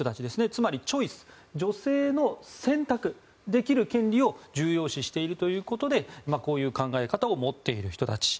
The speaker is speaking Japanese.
つまりチョイス女性の選択できる権利を重要視しているということでこういう考え方を持っている人たち。